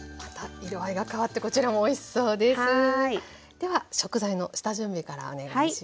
では食材の下準備からお願いします。